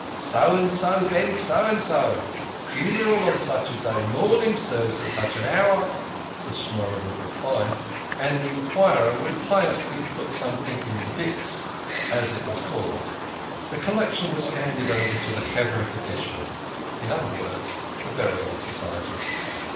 " "So and so ben So and so funeral on such a day mourning service at such an hour," the Schnorrer would reply, and the enquirer would piously put something into the "byx," as it was called. The collection was handed over to the Holy Society in other words, the Burial Society.